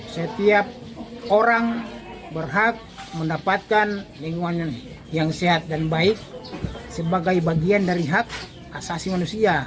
setiap orang berhak mendapatkan lingkungan yang sehat dan baik sebagai bagian dari hak asasi manusia